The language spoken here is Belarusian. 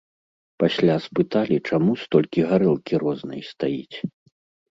Пасля спыталі, чаму столькі гарэлкі рознай стаіць?